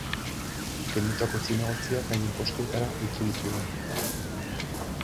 Kendutako zinegotziak haien postuetara itzuli ziren.